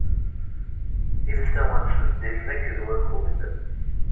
Ilsawen ttbeddilen akked wakud.